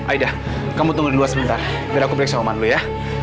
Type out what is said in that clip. aida kamu tunggu dulu sebentar biar aku periksa oman lu ya